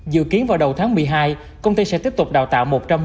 dự kiến vào đầu tháng một mươi hai công ty sẽ tiếp tục đào tạo